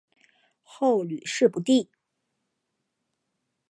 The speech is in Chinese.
后屡试不第。